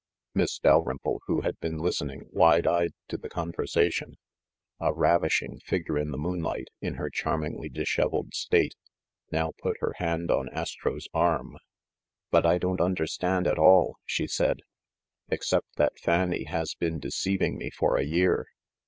Miss Dalrymple, who had been listening wide eyed to the conversation, a ravishing figure in the moon light in her charmingly disheveled state, now put her hand on Astro's arm. "But I don't understand at all," she said, "except that Fanny has been deceiving me for a year.